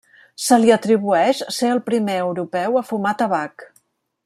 Se li atribueix ser el primer europeu a fumar tabac.